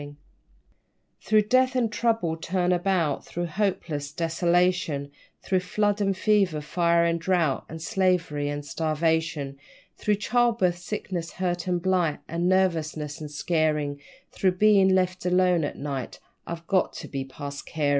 _ Through Death and Trouble, turn about, Through hopeless desolation, Through flood and fever, fire and drought, And slavery and starvation; Through childbirth, sickness, hurt, and blight, And nervousness an' scarin', Through bein' left alone at night, I've got to be past carin'.